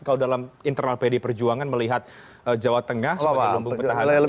kalau dalam internal pdi perjuangan melihat jawa tengah sebagai lumbung petahana